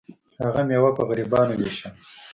هغه میوه په غریبانو ویشله.